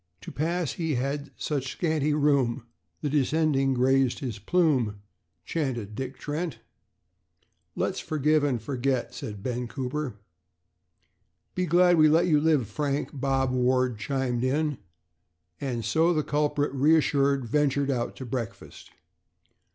"To pass he had such scanty room, The descending grazed his plume," chanted Dick Trent. "Let's forgive and forget," said Ben Cooper. "Be glad we let you live, Frank," Bob Ward chimed in; and so the culprit, reassured, ventured out to breakfast.